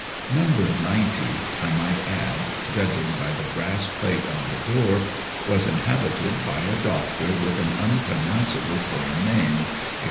No. 90, I might add, judging by the brass plate on the door, was inhabited by a doctor with an unpronounceable foreign name," etc.